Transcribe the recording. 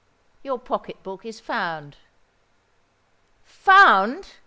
"Your pocket book is found——" "Found!"